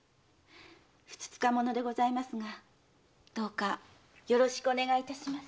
ふつつか者でございますがどうかよろしくお願いいたします。